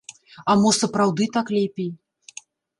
А мо сапраўды так лепей?